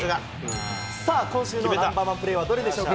さあ、今週のＮｏ．１プレーはどれでしょうか？